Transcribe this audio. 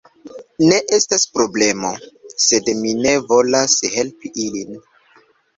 Ne estas problemo. Sed mi ne volas helpi ilin.